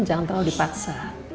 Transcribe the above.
jangan terlalu dipaksa